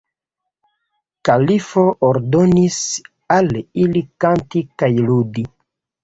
Kalifo ordonis al ili kanti kaj ludi.